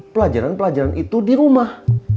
pelajaran pelajaran itu di rumah